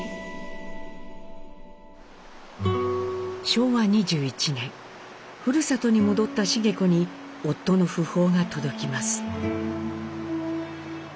昭和２１年ふるさとに戻った繁子に夫の訃報が届きます。